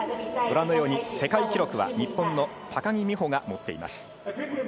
ご覧のように世界記録は日本の高木美帆が持っています。